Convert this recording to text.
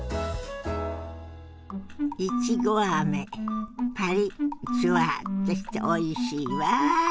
いちごあめパリッジュワッとしておいしいわ！